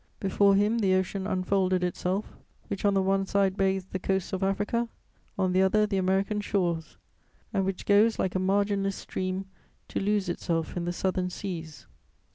Before him, the Ocean unfolded itself, which on the one side bathes the coasts of Africa, on the other the American shores, and which goes, like a marginless stream, to lose itself in the southern seas.